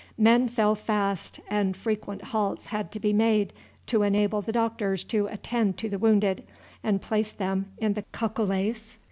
Men fell fast, and frequent halts had to be made to enable the doctors to attend to the wounded, and place them in the cacolets.